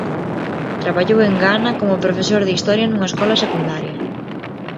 Traballou en Ghana como profesor de historia nunha escola secundaria.